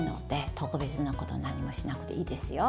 特別なこと何もしなくていいですよ。